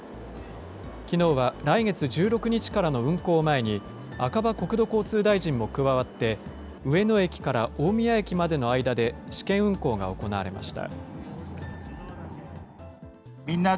きのうは、来月１６日からの運行を前に、赤羽国土交通大臣も加わって、上野駅から大宮駅までの間で、試験運行が行われました。